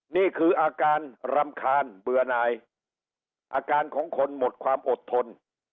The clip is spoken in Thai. นี่คืออาการรำคาญเบื่อนายอาการของคนหมดความอดทน